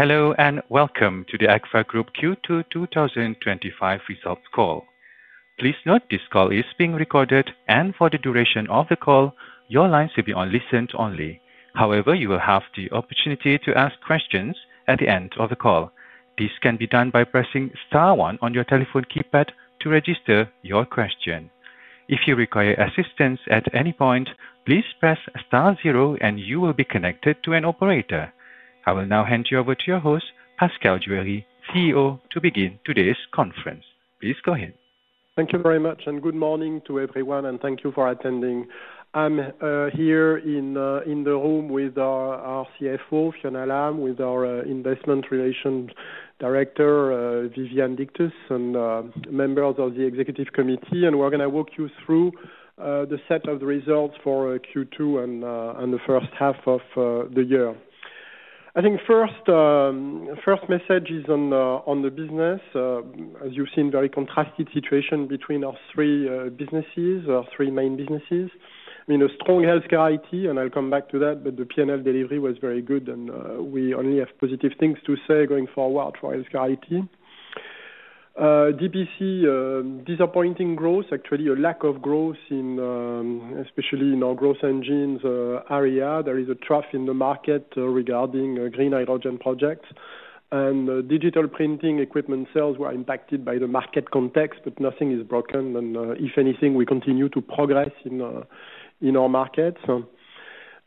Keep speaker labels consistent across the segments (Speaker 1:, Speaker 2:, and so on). Speaker 1: Hello and welcome to the Agfa-Gevaert NV Q2 2025 results call. Please note this call is being recorded, and for the duration of the call, your lines will be on listen only. However, you will have the opportunity to ask questions at the end of the call. This can be done by pressing *1 on your telephone keypad to register your question. If you require assistance at any point, please press *0 and you will be connected to an operator. I will now hand you over to your host, Pascal Juéry, CEO, to begin today's conference. Please go ahead.
Speaker 2: Thank you very much, and good morning to everyone, and thank you for attending. I'm here in the room with our CFO, Fiona Lam, with our Investment Relations Director, Viviane Dictus, and members of the Executive Committee. We're going to walk you through the set of the results for Q2 and the first half of the year. I think the first message is on the business. As you've seen, a very contrasting situation between our three businesses, our three main businesses. I mean, a strong HealthCare IT, and I'll come back to that, but the P&L delivery was very good, and we only have positive things to say going forward for HealthCare IT. DPC, disappointing growth, actually a lack of growth, especially in our growth engines area. There is a trough in the market regarding green hydrogen projects, and digital printing equipment sales were impacted by the market context, but nothing is broken. If anything, we continue to progress in our markets.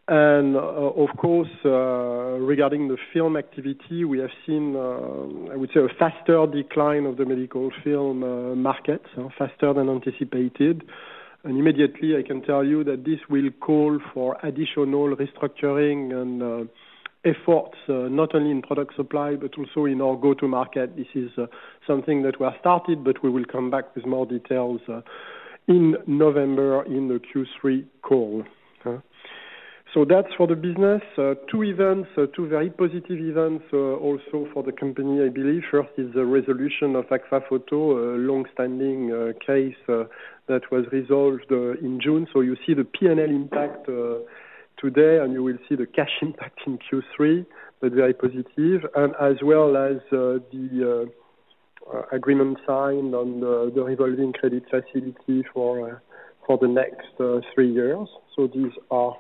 Speaker 2: Of course, regarding the film activity, we have seen, I would say, a faster decline of the medical film market, faster than anticipated. Immediately, I can tell you that this will call for additional restructuring and efforts, not only in product supply, but also in our go-to-market. This is something that we have started, but we will come back with more details in November in the Q3 call. That's for the business. Two events, two very positive events also for the company, I believe. First is the resolution of Agfa Photo, a longstanding case that was resolved in June. You see the P&L impact today, and you will see the cash impact in Q3, but very positive. As well as the agreement signed on the revolving credit facility for the next three years. These are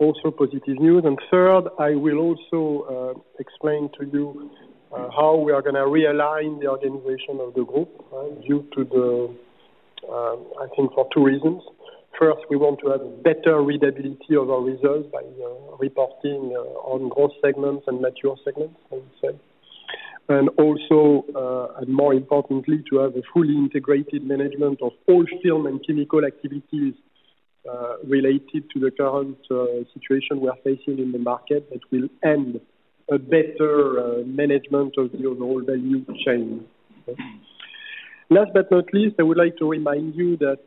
Speaker 2: also positive news. Third, I will also explain to you how we are going to realign the organization of the group due to the, I think, for two reasons. First, we want to have better readability of our results by reporting on growth segments and mature segments, I would say. Also, and more importantly, to have a fully integrated management of all film and chemical activities related to the current situation we're facing in the market that will end a better management of the overall value chain. Last but not least, I would like to remind you that,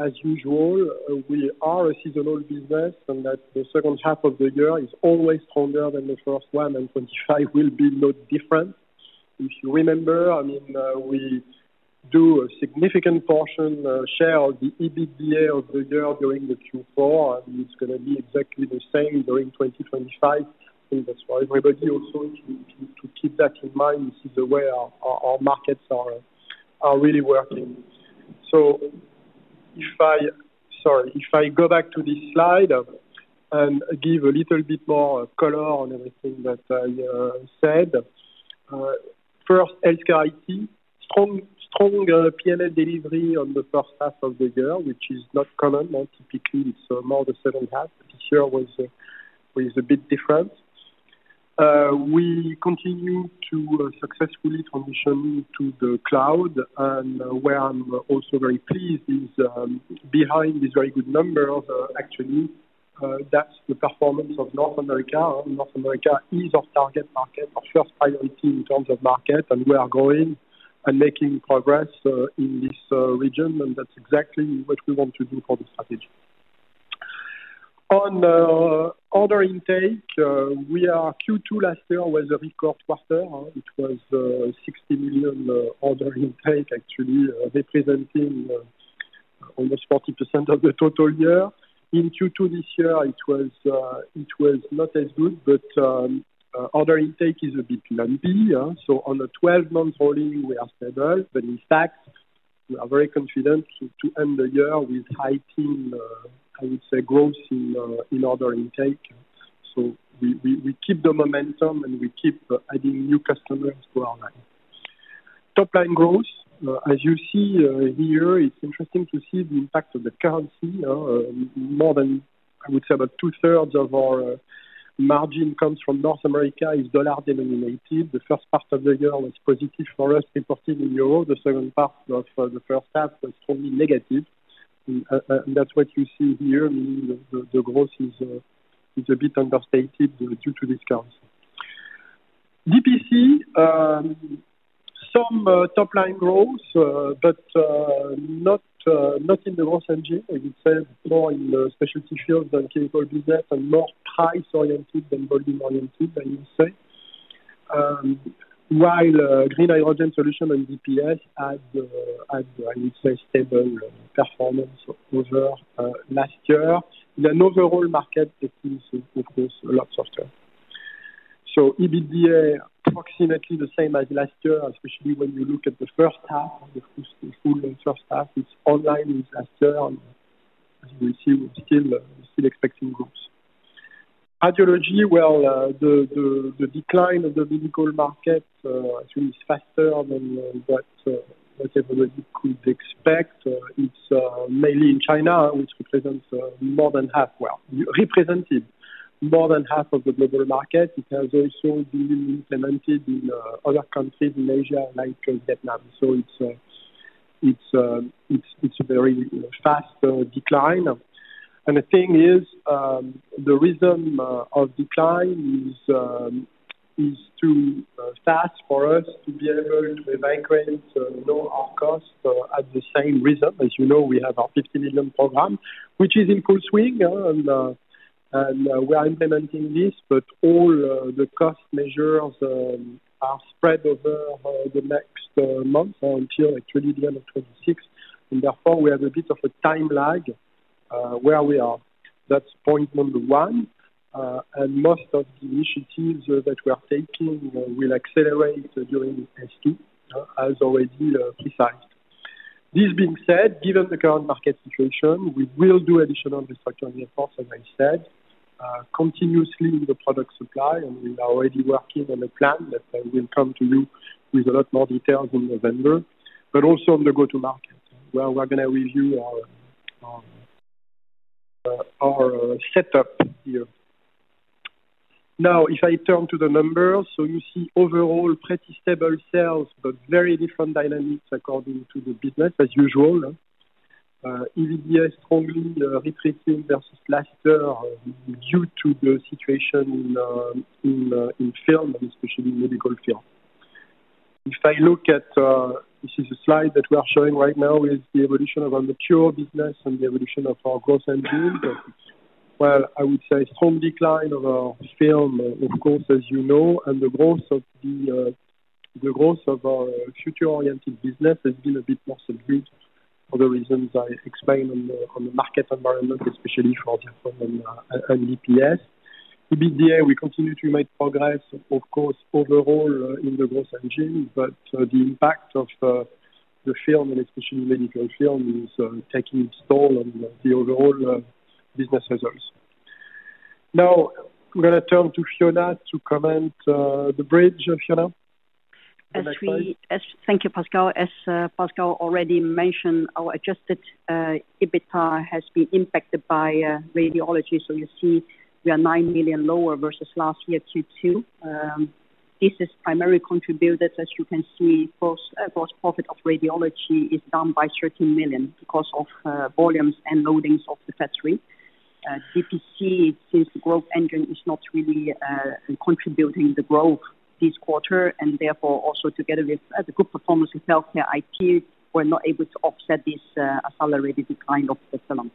Speaker 2: as usual, we are a seasonal business and that the second half of the year is always stronger than the first one, and 2025 will be no different. If you remember, I mean, we do a significant portion share of the EBITDA of the year during Q4, and it's going to be exactly the same during 2025. I think that's for everybody also, if you keep that in mind, you see the way our markets are really working. If I go back to this slide and give a little bit more color on everything that I said. First, HealthCare IT, strong P&L delivery on the first half of the year, which is not common. Typically, it's more the second half, but this year was a bit different. We continue to successfully transition into the cloud, and where I'm also very pleased is behind the very good numbers, actually, that's the performance of North America. North America is our target market, our first priority in terms of market, and we are growing and making progress in this region, and that's exactly what we want to do for the strategy. On order intake, Q2 last year was a record quarter. It was 60 million order intake, actually representing almost 40% of the total year. In Q2 this year, it was not as good, but order intake is a bit lumpy. On a 12-month rolling, we are stable, but in fact, we are very confident to end the year with hiking, I would say, growth in order intake. We keep the momentum and we keep adding new customers to our line. Top-line growth, as you see here, it's interesting to see the impact of the currency. More than, I would say, about two-thirds of our margin comes from North America, is dollar denominated. The first part of the year was positive for us, reported in euros. The second part of the first half was strongly negative. That's what you see here, meaning the growth is a bit understated due to this curve. DPC, some top-line growth, but not in the growth engine. I would say more in the specialty fields and chemical business and more price-oriented than volume-oriented, I would say. While Green Hydrogen Solutions and DPS had, I would say, stable performance over last year, in an overall market, DPC focuses a lot softer. EBITDA approximately the same as last year, especially when you look at the first half, the full first half, it's in line with last year, and as we'll see, we're still expecting growth. Radiology, the decline of the medical market actually is faster than what everybody would expect. It's mainly in China, which represents more than half, well, represented more than half of the global market. It has also been implemented in other countries in Asia like Vietnam. It's a very fast decline. The reason of decline is too fast for us to be able to evacuate, know our cost at the same rhythm. As you know, we have our 50 million program, which is in full swing, and we are implementing this, but all the cost measures are spread over the next months until actually the end of 2026. Therefore, we have a bit of a time lag where we are. That's point number one. Most of the initiatives that we're taking will accelerate during SD, as already precised. This being said, given the current market situation, we will do additional restructuring efforts, as I said, continuously with the product supply, and we are already working on a plan that I will come to you with a lot more details in November, but also on the go-to-market where we're going to reveal our setup here. Now, if I turn to the numbers, you see overall pretty stable sales, but very different dynamics according to the business, as usual. EBITDA is strongly retreating versus last year due to the situation in film, especially in medical film. If I look at this, this is a slide that we're showing right now, is the evolution of our mature business and the evolution of our growth engine. I would say a strong decline of our film exports, as you know, and the growth of our future-oriented business has been a bit more salient for the reasons I explained on the market environment, especially for the film and Digital Printing Solutions. EBITDA, we continue to make progress, of course, overall in the growth engine, but the impact of the film, and especially medical film, is taking stall on the overall business results. Now, we're going to turn to Fiona to comment the bridge, Fiona.
Speaker 3: Thank you, Pascal. As Pascal already mentioned, our adjusted EBITDA has been impacted by radiology. You see we are 9 million lower versus last year, Q2. This is primarily contributed, as you can see, both gross profit of radiology is down by 13 million because of volumes and loadings of the factory. DPC, since the growth engine is not really contributing the growth this quarter, and therefore also together with the good performance of HealthCare IT, we're not able to offset this accelerated decline of the film.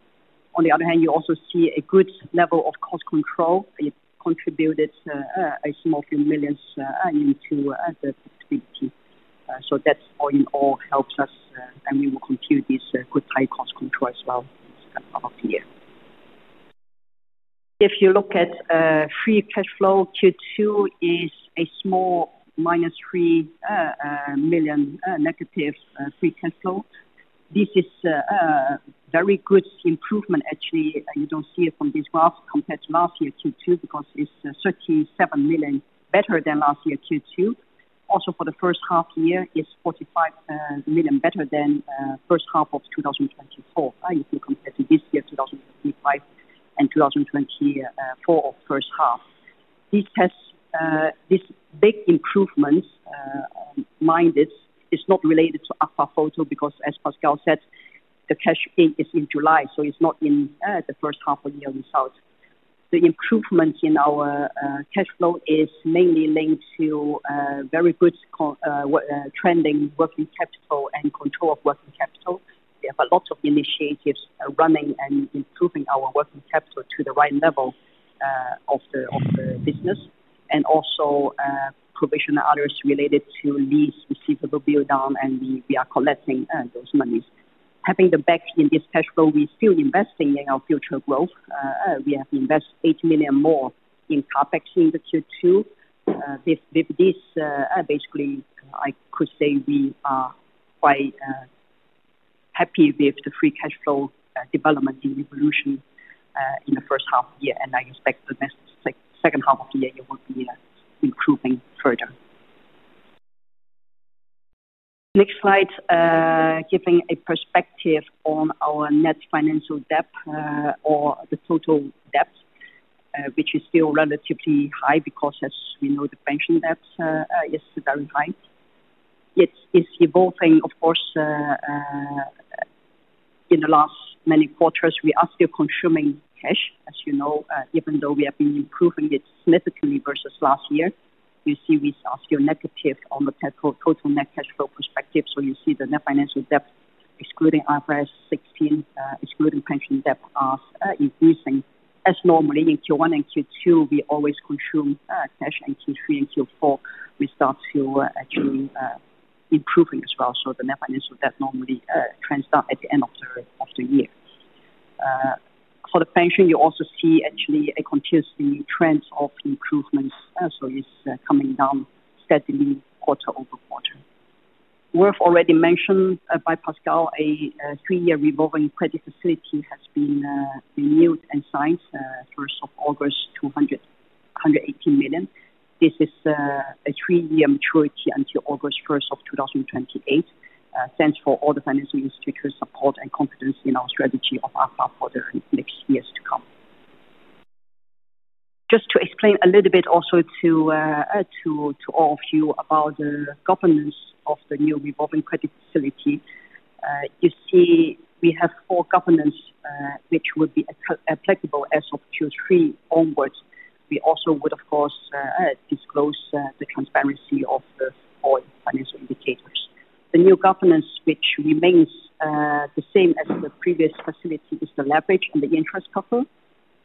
Speaker 3: On the other hand, you also see a good level of cost control. It contributed a small few millions into the P&L. That is going to all help us, and we will continue this good high cost control as well. If you look at free cash flow, Q2 is a small minus 3 million negative free cash flow. This is a very good improvement, actually. You don't see it from this graph compared to last year Q2 because it's 37 million better than last year Q2. Also, for the first half year, it's 45 million better than the first half of 2024, if you compare to this year 2025 and 2024 first half. This big improvement, mind it, is not related to Agfa Photo because, as Pascal said, the cash in is in July, so it's not in the first half of the year result. The improvement in our cash flow is mainly linked to very good trending working capital and control of working capital. We have a lot of initiatives running and improving our working capital to the right level of the business, and also provision others related to lease, receivable build-on, and we are collecting those monies. Having the backing in this cash flow, we're still investing in our future growth. We have invested 8 million more in CapEx in the Q2. Basically, I could say we are quite happy with the free cash flow development and evolution in the first half of the year, and I expect the next second half of the year it will be improving further. Next slide, giving a perspective on our net financial debt or the total debt, which is still relatively high because, as we know, the pension debt is very high. It's evolving, of course, in the last many quarters. We are still consuming cash, as you know, even though we have been improving it significantly versus last year. You see, we are still negative on the total net cash flow perspective. You see the net financial debt, excluding IFRS 16, excluding pension debt, are increasing as normally in Q1 and Q2. We always consume cash in Q3 and Q4. We start to actually improve as well. The net financial debt normally trends down at the end of the year. For the pension, you also see actually a continuous trend of improvements. It's coming down steadily quarter over quarter. Worth already mentioned by Pascal, a three-year revolving credit facility has been renewed and signed August 1, 218 million. This is a three-year maturity until August 1, 2028. Thanks for all the financing speakers' support and confidence in our strategy of Agfa-Gevaert NV for the next years to come. Just to explain a little bit also to all of you about the governance of the new revolving credit facility. You see, we have four covenants which will be applicable as of Q3 onwards. We also would, of course, disclose the transparency of the four financial indicators. The new covenants which remain the same as the previous facility are the leverage and the interest cover.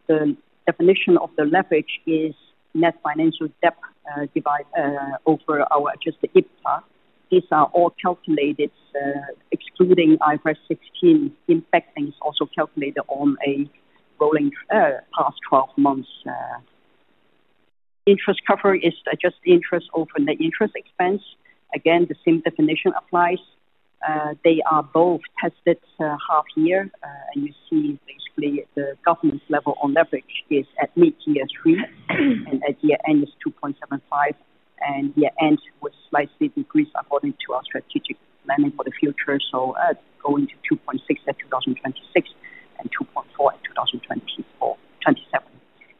Speaker 3: The definition of the leverage is net financial debt divided over our adjusted EBITDA. These are all calculated excluding IFRS 16 impact, and it's also calculated on a rolling past 12 months. Interest cover is adjusted interest over net interest expense. Again, the same definition applies. They are both tested half year, and you see basically the covenant level on leverage is at mid-year 3 and at year end is 2.75. Year end was slightly decreased according to our strategic planning for the future, going to 2.6 at 2026 and 2.4 at 2027.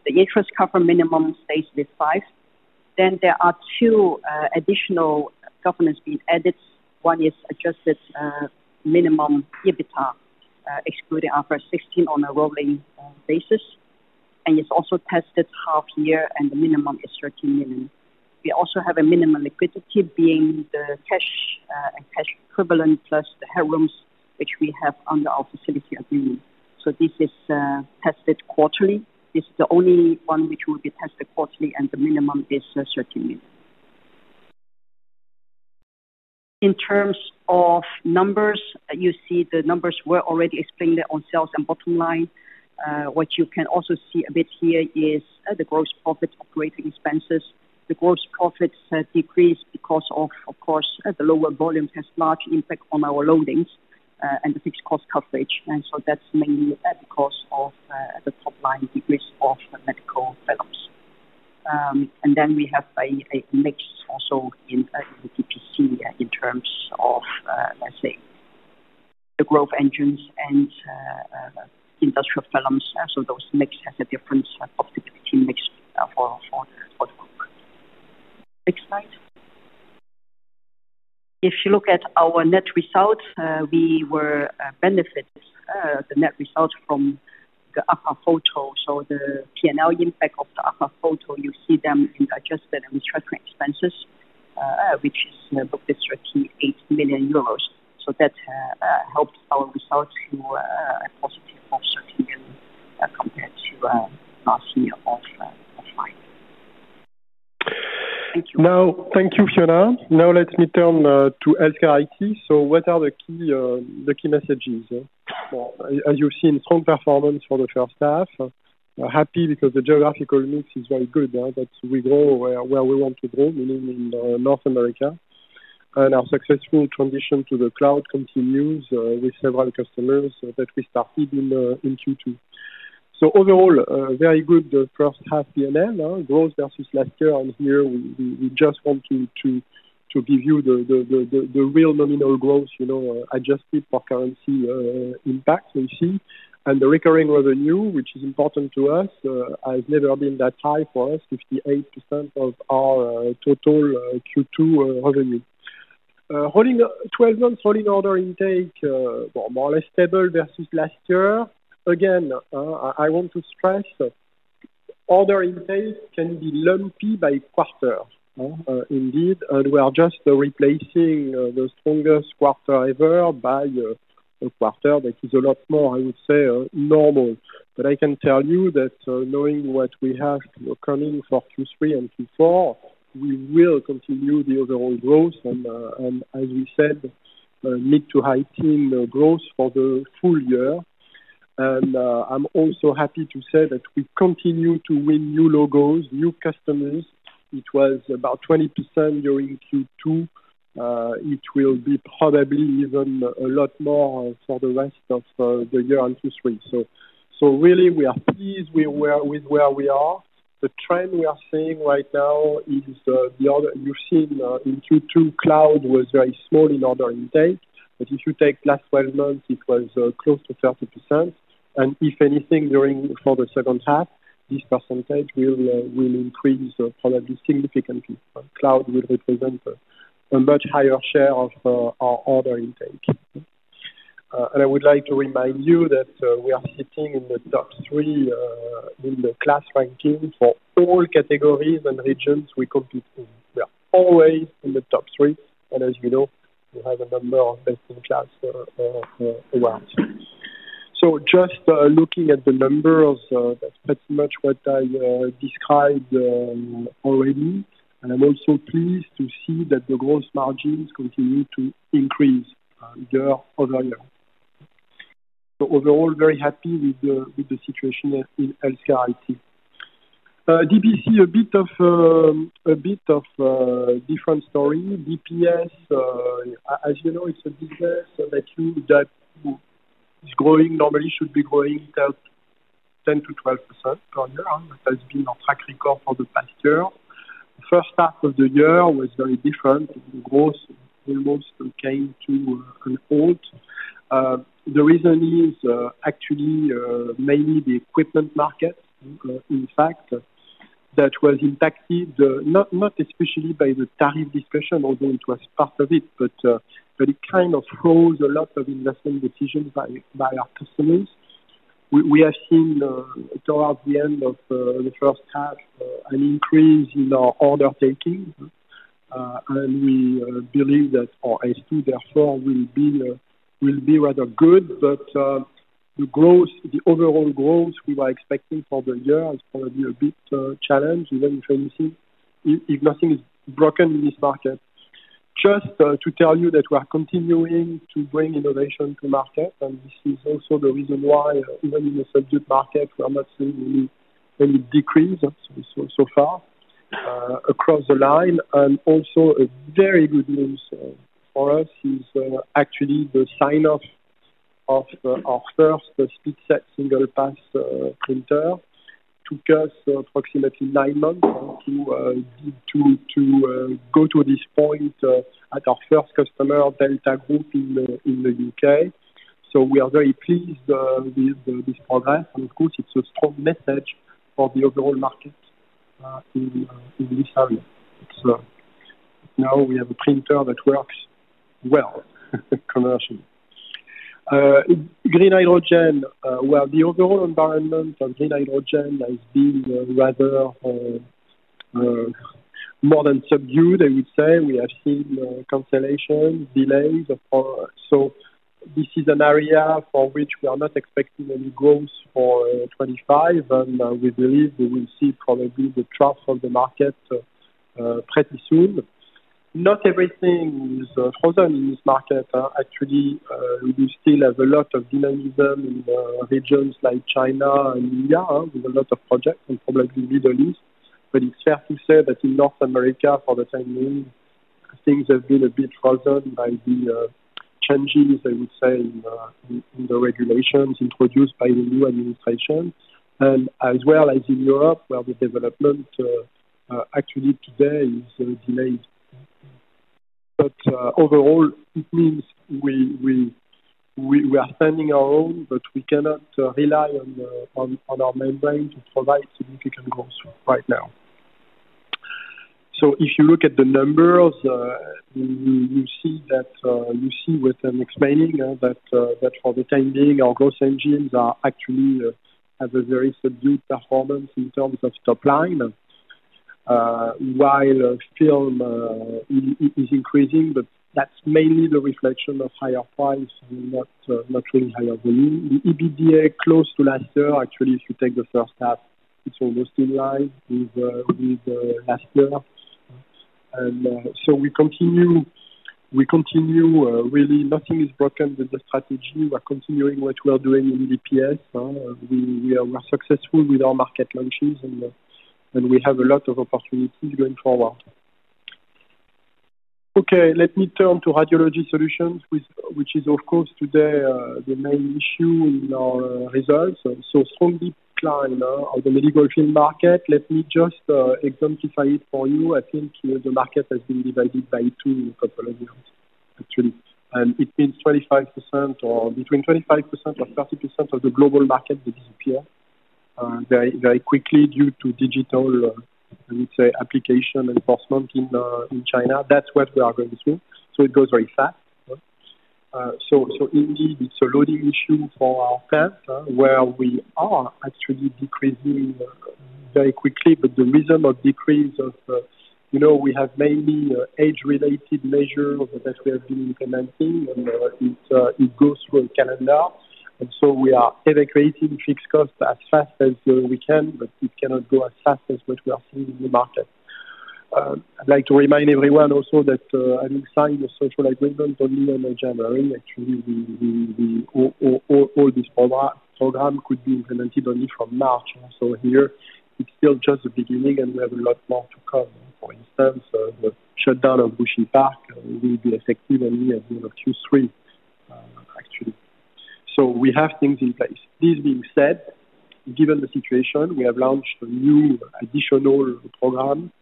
Speaker 3: The interest cover minimum stays with 5. There are two additional covenants being added. One is adjusted minimum EBITDA, excluding IFRS 16 on a rolling basis. It's also tested half year, and the minimum is 13 million. We also have a minimum liquidity being the cash and cash equivalent plus the headrooms, which we have under our facility agreement. This is tested quarterly. This is the only one which will be tested quarterly, and the minimum is 13 million. In terms of numbers, you see the numbers were already explained on sales and bottom line. What you can also see a bit here is the gross profits, operating expenses. The gross profits decrease because, of course, the lower volume has a large impact on our loadings and the fixed cost coverage. That's mainly because of the top-line decrease of medical films. We have a mix also in the DPC in terms of, let's say, the growth engines and industrial films. Those mix have a different suboptimality mix for the group. Next slide. If you look at our net results, we benefited the net results from the Agfa Photo. The P&L impact of the Agfa Photo, you see them in adjusted and retracting expenses, which is booked at 38 million euros. That helped our results to a positive of 30 million compared to last year of EUR5 million.
Speaker 2: Thank you. Now. Thank you, Fiona. Now let me turn to HealthCare IT. What are the key messages? As you've seen, strong performance for the first half. We're happy because the geographical mix is very good. That means we grow where we want to grow, meaning in North America. Our successful transition to the cloud continues with several customers that we started in Q2. Overall, very good first half P&L growth versus last year. Here, we just want to give you the real nominal growth, you know, adjusted for currency impacts we see. The recurring revenue, which is important to us, has never been that high for us, 58% of our total Q2 revenue. Twelve months holding order intake, more or less stable versus last year. Again, I want to stress, order intakes can be lumpy by quarter. Indeed, we are just replacing the strongest quarter ever by a quarter that is a lot more, I would say, normal. I can tell you that knowing what we have coming for Q3 and Q4, we will continue the overall growth. As we said, mid to high clean growth for the full year. I'm also happy to say that we continue to win new logos, new customers. It was about 20% during Q2. It will be probably even a lot more for the rest of the year in Q3. Really, we are pleased with where we are. The trend we are seeing right now is the order you've seen in Q2 cloud was very small in order intake. If you take last twelve months, it was close to 30%. If anything, during the second half, this percentage will increase probably significantly. Cloud will represent a much higher share of our order intake. I would like to remind you that we are sitting in the top three in the class rankings for all categories and regions we compete in. We are always in the top three. As you know, we have a number of best in class awards. Just looking at the numbers, that's much what I described already. I'm also pleased to see that the gross margins continue to increase year over year. Overall, very happy with the situation in HealthCare IT. DPC, a bit of a different story. DPS, as you know, it's a business that means that it's growing, normally should be growing 10%-12% per year. That has been our track record for the past year. The first half of the year was very different. The growth almost came to a halt. The reason is actually mainly the equipment market, in fact, that was impacted, not especially by the tariff discussion, although it was part of it, but it kind of froze a lot of investment decisions by our customers. We have seen towards the end of the first half an increase in our order taking, and we believe that for SD, therefore, will be rather good. The overall growth we were expecting for the year is probably a bit challenged, even if anything, if nothing is broken in this market. Just to tell you that we are continuing to bring innovation to market, and this is also the reason why, even in the subject market, we are not seeing any decrease so far across the line. Also, very good news for us is actually the sign-off of our first SpeedSet single pass printer. It took us approximately nine months to go to this point at our first customer, Delta Group, in the UK. We are very pleased with this progress, and of course, it's a strong message for the overall market in this area. Now we have a printer that works well commercially. Green hydrogen, where the overall environment on green hydrogen has been rather more than subdued, I would say. We have seen cancellations, delays. This is an area for which we are not expecting any growth for 2025, and we believe we will see probably the trough of the market pretty soon. Not everything is frozen in this market. Actually, we will still have a lot of dynamism in regions like China and India with a lot of projects and probably the Middle East. It is fair to say that in North America, for the time being, things have been a bit frozen by the changes, I would say, in the regulations introduced by the new administration, as well as in Europe, where the development actually today is very delayed. Overall, it means we are standing our own, but we cannot rely on our main brain to provide significant growth right now. If you look at the numbers, you see that you see what I'm explaining, that for the time being, our growth engines are actually at a very subdued performance in terms of top line, while film is increasing, but that's mainly the reflection of higher price, not really higher volume. The EBITDA close to last year, actually, if you take the first half, it's almost in line with last year. We continue, we continue really, nothing is broken with the strategy. We're continuing what we're doing in EDPS. We are successful with our market launches, and we have a lot of opportunities going forward. Let me turn to Radiology Solutions, which is, of course, today the main issue in our results. There is a strong decline of the medical film market. Let me just exemplify it for you. I think the market has been divided by three topologies. Actually, it means 25% or between 25% or 30% of the global market, they disappear very quickly due to digital, I would say, application and enforcement in China. That's what they are going through. It goes very fast. It is a loading issue for our pair where we are actually decreasing very quickly. The reason of decrease, you know, we have mainly age-related measures that we have been implementing, and it goes through a calendar. We are evacuating trips costs as fast as we can, but it cannot go as fast as what we are seeing in the market. I'd like to remind everyone also that I will sign a special agreement only on the January. Actually, all this program could be implemented only from March. Here, it's still just the beginning, and we have a lot more to come. For instance, the shutdown of Bushy Park will be effective only at the end of Q3, actually. We have things in place. This being said, given the situation, we have launched a new additional program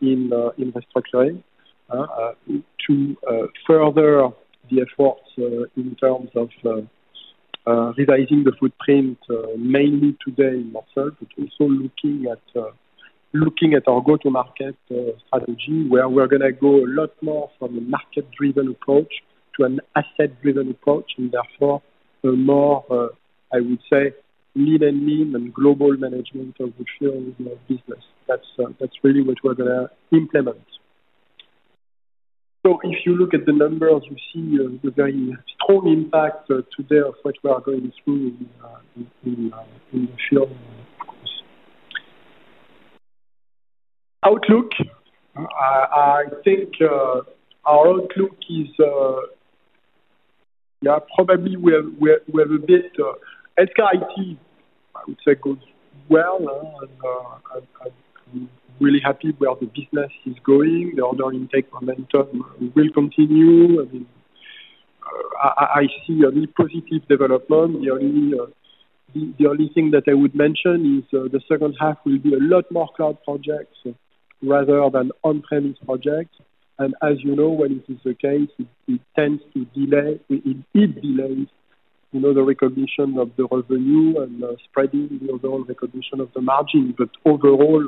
Speaker 2: in restructuring to further the efforts in terms of revising the footprint, mainly today in Brussels, but also looking at our go-to-market strategy where we're going to go a lot more from a market-driven approach to an asset-driven approach, and therefore, a more, I would say, lean and mean and global management of the film business. That's really what we're going to implement. If you look at the numbers, you see the very strong impact today of what we are going through in film. Outlook, I think our outlook is, yeah, probably we have a bit SRIC, I would say, goes well. I'm really happy where the business is going. The order intake momentum will continue. I see only positive development. The only thing that I would mention is the second half will be a lot more cloud projects rather than on-premise projects. As you know, when it is the case, it tends to delay. It delays, you know, the recognition of the revenue and spreading the overall recognition of the margin. Overall,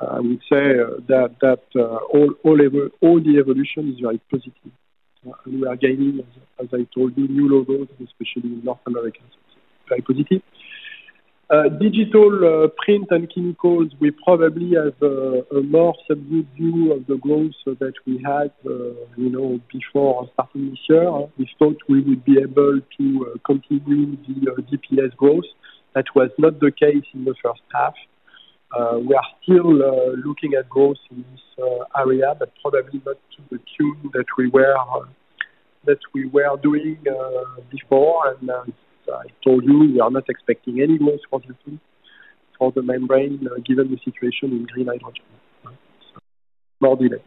Speaker 2: I would say that all the evolution is very positive. We are gaining, as I told you, new logos, and especially in North America, it's very positive. Digital print and chemicals, we probably have a more subdued view of the growth that we had before starting this year. We thought we would be able to continually be DPS growth. That was not the case in the first half. We are still looking at growth in this area, but probably not to the tune that we were doing before. I told you, we are not expecting any growth for the membrane given the situation in green hydrogen. No delay.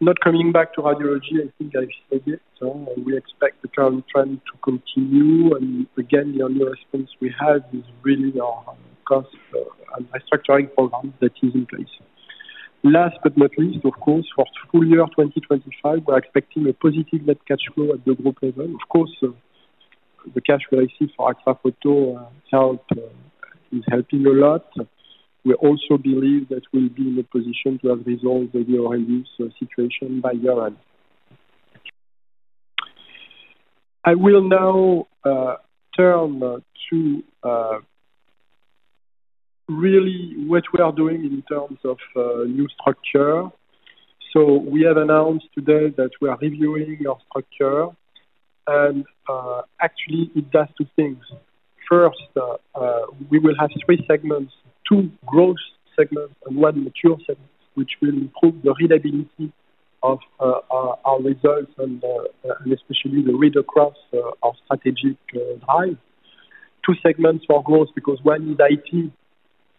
Speaker 2: Not coming back to radiology, I think I've said it. We expect the current trend to continue. The only response we have is really our cost and restructuring program that is in place. Last but not least, of course, for full year 2025, we are expecting a positive net cash flow at the group level. The cash we received for Agfa Photo is helping a lot. We also believe that we'll be in a position to have resolved the renewal situation by year-end. I will now turn to really what we are doing in terms of new structure. We have announced today that we are reviewing our structure. It does two things. First, we will have three segments: two growth segments and one mature segment, which will improve the readability of our results and especially the read across our strategic drive. Two segments for growth because one is IT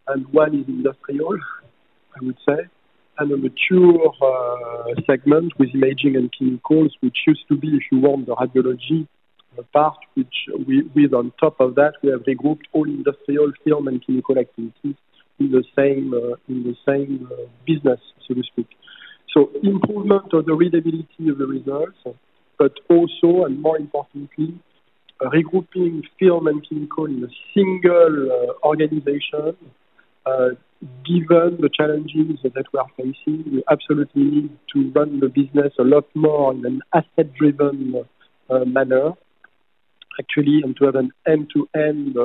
Speaker 2: and one is industrial, I would say. A mature segment with imaging and chemicals, which used to be, if you want, the radiology part, with on top of that, we have the group, all industrial film and chemical activities in the same business, so to speak. Improvement of the readability of the results, but also, and more importantly, regrouping film and chemical in a single organization, given the challenges that we're facing, we absolutely need to run the business a lot more in an asset-driven manner, actually, and to have an end-to-end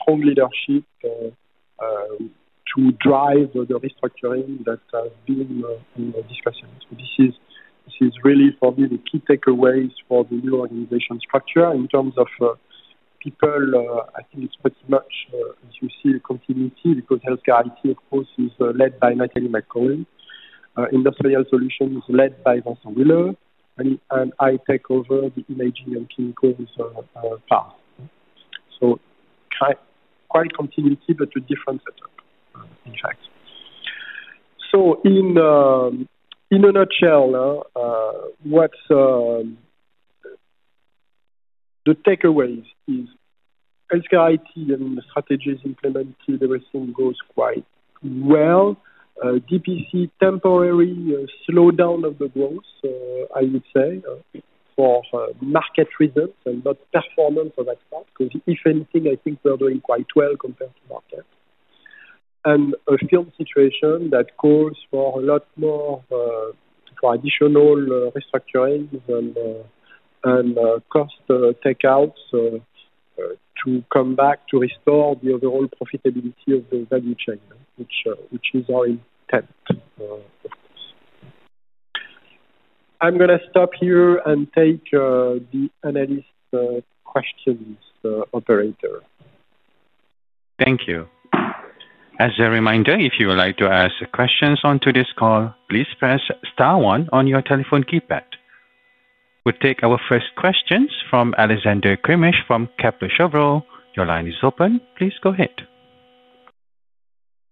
Speaker 2: strong leadership to drive the restructuring that has been in the discussion. This is really, for me, the key takeaways for the new organization structure in terms of people. I think it's pretty much, as you see, the continuity because HealthCare IT, of course, is led by Nathalie McCaughley. Industrial Solutions is led by Vincent Wille. I take over the imaging and chemicals part. Quite continuity, but a different setup, in fact. In a nutshell, what's the takeaways is HealthCare IT and the strategies implemented, everything goes quite well. DPC, temporary slowdown of the growth, I would say, for market reasons and not performance of expert, because if anything, I think we're doing quite well compared to market. A film situation that calls for a lot more for additional restructuring and cost takeouts to come back to restore the overall profitability of the value chain, which is our intent. I'm going to stop here and take the analyst questions, operator.
Speaker 1: Thank you. As a reminder, if you would like to ask questions on today's call, please press star one on your telephone keypad. We'll take our first questions from Alexander Craeymeersch from Kepler Cheuvreux. Your line is open. Please go ahead.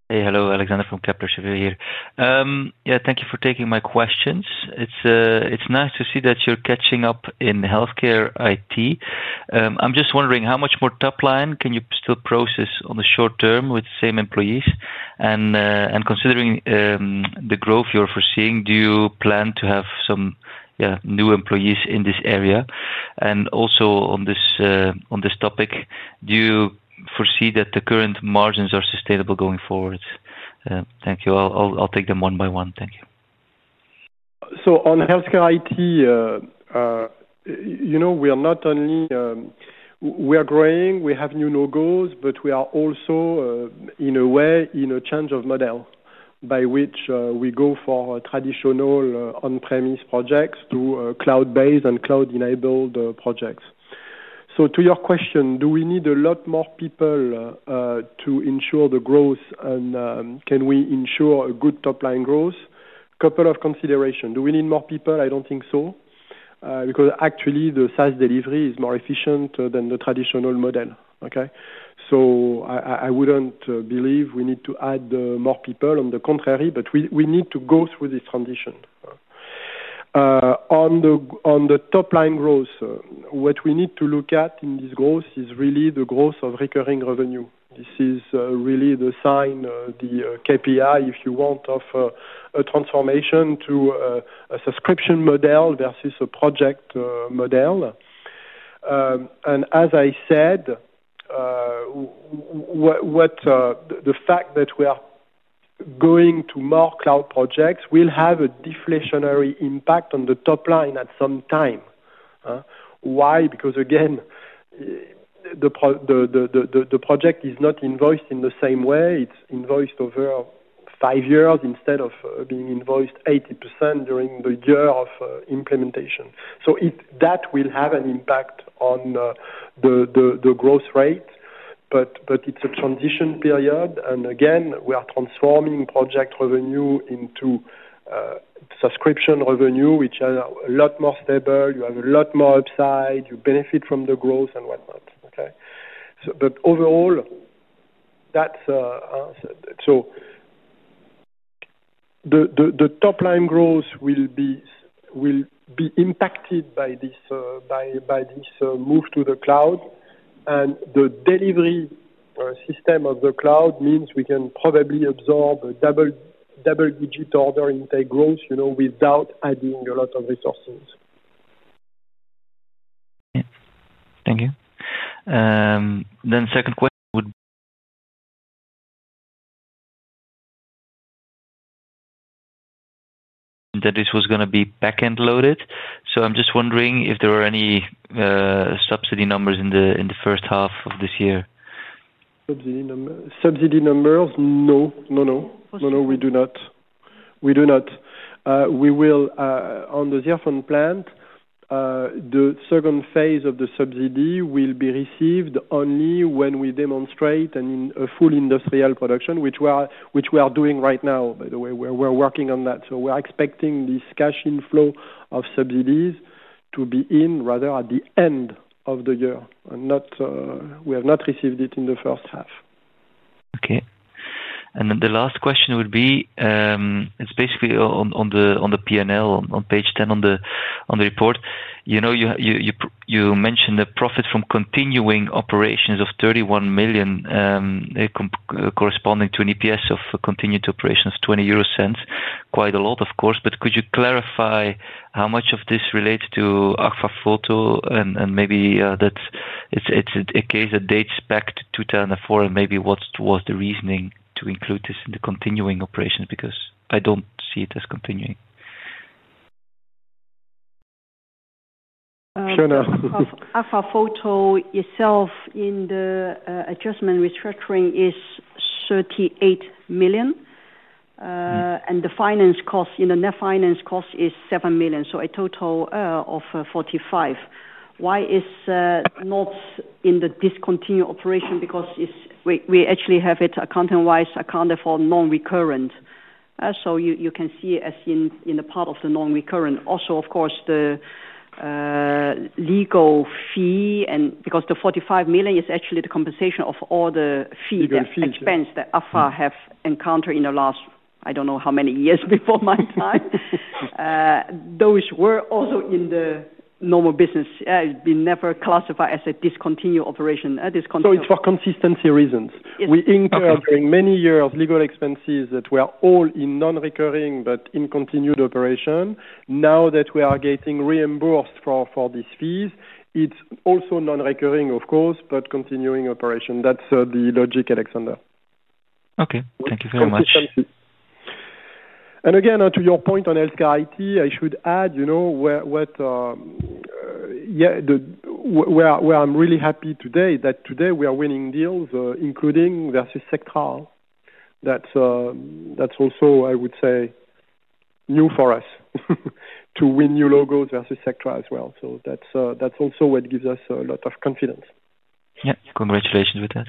Speaker 4: Hello, Alexander from Kepler Cheuvreux here. Thank you for taking my questions. It's nice to see that you're catching up in HealthCare IT. I'm just wondering, how much more top line can you still process on the short term with the same employees? Considering the growth you're foreseeing, do you plan to have some new employees in this area? Also on this topic, do you foresee that the current margins are sustainable going forward? Thank you. I'll take them one by one. Thank you.
Speaker 2: On HealthCare IT, you know, not only are we growing, we have new logos, but we are also, in a way, in a change of model by which we go from traditional on-premise projects to cloud-based and cloud-enabled projects. To your question, do we need a lot more people to ensure the growth, and can we ensure good top-line growth? A couple of considerations. Do we need more people? I don't think so, because actually, the SaaS delivery is more efficient than the traditional model. I wouldn't believe we need to add more people, on the contrary, but we need to go through this transition. On the top-line growth, what we need to look at in this growth is really the growth of recurring revenue. This is really the sign, the KPI, if you want, of a transformation to a subscription model versus a project model. As I said, the fact that we are going to more cloud projects will have a deflationary impact on the top line at some time. Why? Because, again, the project is not invoiced in the same way. It's invoiced over five years instead of being invoiced 80% during the year of implementation. That will have an impact on the growth rate. It's a transition period. Again, we are transforming project revenue into subscription revenue, which are a lot more stable. You have a lot more upside. You benefit from the growth and whatnot. Overall, the top-line growth will be impacted by this move to the cloud. The delivery system of the cloud means we can probably absorb a double-digit order intake growth without adding a lot of resources.
Speaker 4: Thank you. My second question would be that this was going to be back-end loaded. I'm just wondering if there are any subsidy numbers in the first half of this year.
Speaker 2: Subsidy numbers? No, we do not. We do not. We will, on the ZIRFON plant, the second phase of the subsidy will be received only when we demonstrate and in a full industrial production, which we are doing right now, by the way. We're working on that. We're expecting this cash inflow of subsidies to be in rather at the end of the year. We have not received it in the first half.
Speaker 4: Okay. The last question would be, it's basically on the P&L on page 10 on the report. You mentioned the profit from continuing operations of 31 million, corresponding to an EPS of continued operations of 0.20. Quite a lot, of course. Could you clarify how much of this relates to Agfa Photo? Maybe it's a case that dates back to 2004, and maybe what was the reasoning to include this in the continuing operations? I don't see it as continuing.
Speaker 2: I'm sure not.
Speaker 3: Agfa Photo itself in the adjustment restructuring is 38 million. The finance cost, you know, net finance cost is 7 million, so a total of 45 million. Why is it not in the discontinued operation? Because we actually have it accounting-wise accounted for as non-recurrent. You can see it as in the part of the non-recurrent. Also, of course, the legal fee, and because the 45 million is actually the compensation of all the fees and expenses that Agfa-Gevaert NV have encountered in the last, I don't know how many years before my time, those were also in the normal business. It's been never classified as a discontinued operation.
Speaker 2: It is for consistency reasons. We incurred during many years of legal expenses that were all in non-recurring, but in continued operation. Now that we are getting reimbursed for these fees, it's also non-recurring, of course, but continuing operation. That's the logic, Alexander.
Speaker 4: Okay, thank you very much.
Speaker 2: To your point on HealthCare IT, I should add, you know, where I'm really happy today is that today we are winning deals, including versus Sectra. That's also, I would say, new for us to win new logos versus Sectra as well. That's also what gives us a lot of confidence.
Speaker 4: Yeah, congratulations with that.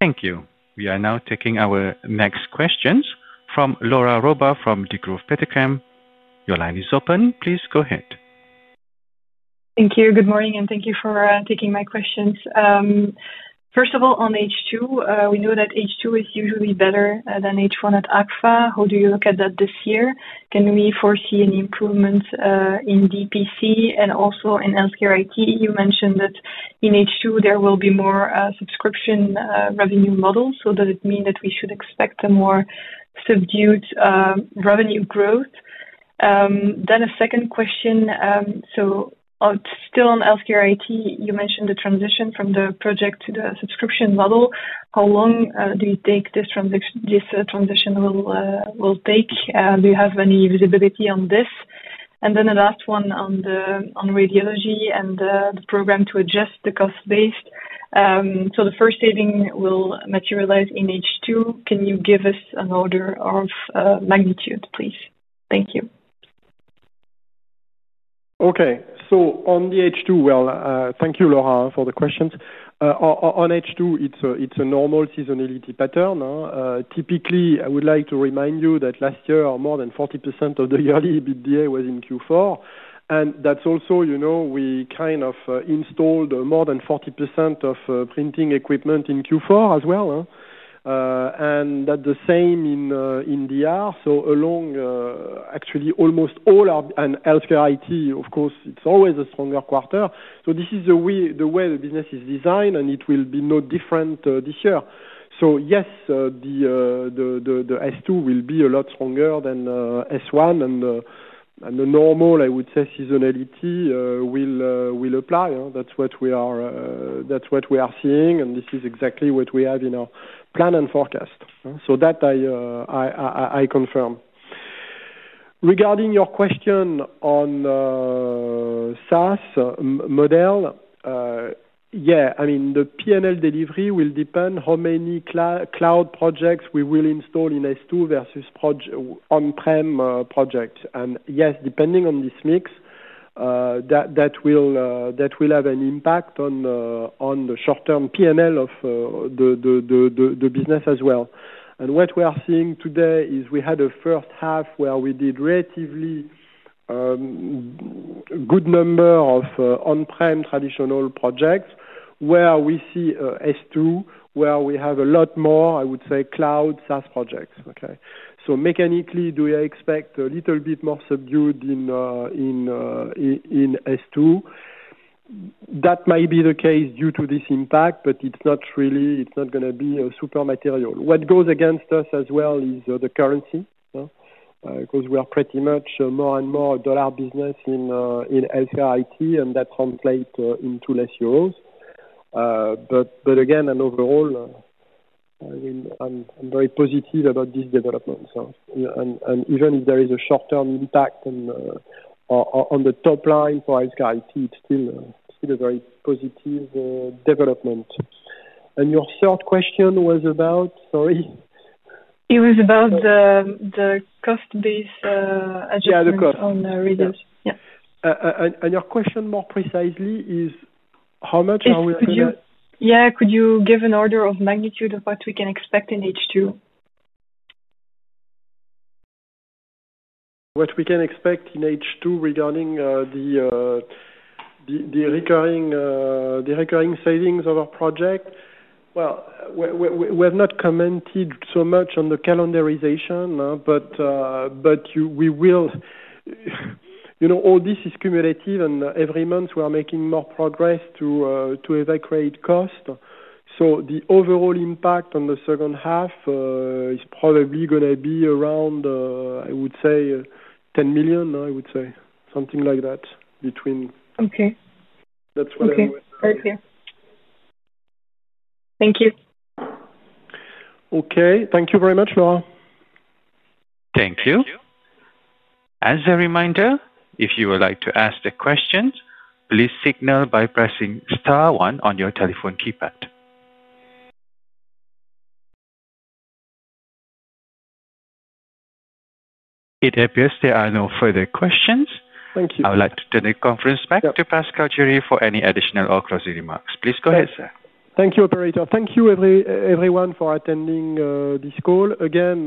Speaker 1: Thank you. We are now taking our next questions from Laura Roba from Degroof Petercam. Your line is open. Please go ahead.
Speaker 5: Thank you. Good morning, and thank you for taking my questions. First of all, on H2, we know that H2 is usually better than H1 at Agfa-Gevaert NV. How do you look at that this year? Can we foresee any improvements in Digital Printing Solutions and also in HealthCare IT? You mentioned that in H2, there will be more subscription revenue models. Does it mean that we should expect a more subdued revenue growth? A second question, still on HealthCare IT, you mentioned the transition from the project to the subscription model. How long do you think this transition will take? Do you have any visibility on this? The last one on Radiology Solutions and the program to adjust the cost base. The first saving will materialize in H2. Can you give us an order of magnitude, please? Thank you.
Speaker 2: Okay. On the H2, thank you, Laura, for the questions. On H2, it's a normal seasonality pattern. Typically, I would like to remind you that last year, more than 40% of the yearly EBITDA was in Q4. That's also, you know, we kind of installed more than 40% of printing equipment in Q4 as well. That's the same in Digital Radiography. Along almost all our HealthCare IT, of course, it's always a stronger quarter. This is the way the business is designed, and it will be no different this year. Yes, the S2 will be a lot stronger than S1, and the normal, I would say, seasonality will apply. That's what we are seeing, and this is exactly what we have in our plan and forecast. That I confirm. Regarding your question on SaaS model, the P&L delivery will depend on how many cloud projects we will install in S2 versus on-premise projects. Yes, depending on this mix, that will have an impact on the short-term P&L of the business as well. What we are seeing today is we had a first half where we did relatively a good number of on-premise traditional projects, where we see S2, where we have a lot more, I would say, cloud-based SaaS projects. Okay? Mechanically, do we expect a little bit more subdued in S2? That might be the case due to this impact, but it's not really, it's not going to be super material. What goes against us as well is the currency, because we are pretty much more and more a dollar business in HealthCare IT, and that translates into less euros. Again, overall, I mean, I'm very positive about these developments. Even if there is a short-term impact on the top line for HealthCare IT, it's still a very positive development. Your third question was about, sorry?
Speaker 5: It was about the cost-based adjustment on the readers.
Speaker 2: Your question more precisely is how much are we expecting?
Speaker 5: Yeah, could you give an order of magnitude of what we can expect in H2?
Speaker 2: What can we expect in H2 regarding the recurring savings of our project? We have not commented so much on the calendarization, but all this is cumulative, and every month we are making more progress to evacuate cost. The overall impact on the second half is probably going to be around $10 million, something like that between.
Speaker 5: Okay.
Speaker 2: That's what I'm doing.
Speaker 5: Okay. Very clear. Thank you.
Speaker 2: Okay. Thank you very much, Laura.
Speaker 1: Thank you. As a reminder, if you would like to ask a question, please signal by pressing star one on your telephone keypad. It appears there are no further questions.
Speaker 2: Thank you.
Speaker 1: I would like to turn the conference back to Pascal Juéry for any additional or closing remarks. Please go ahead, sir.
Speaker 2: Thank you, operator. Thank you, everyone, for attending this call. Again,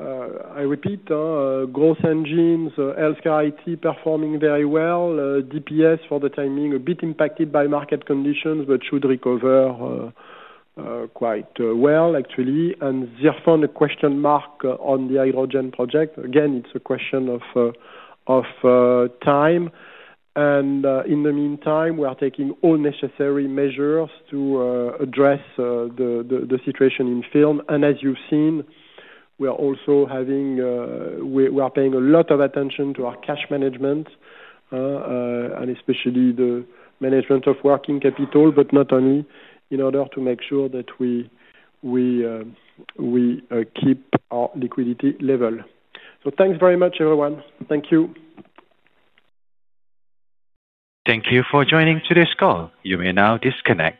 Speaker 2: I repeat, growth engines, HealthCare IT performing very well. Digital Printing Solutions for the time being a bit impacted by market conditions, but should recover quite well, actually. And ZIRFON, a question mark on the hydrogen project. Again, it's a question of time. In the meantime, we are taking all necessary measures to address the situation in film. As you've seen, we are also paying a lot of attention to our cash management and especially the management of working capital, but not only in order to make sure that we keep our liquidity level. Thanks very much, everyone. Thank you.
Speaker 1: Thank you for joining today's call. You may now disconnect.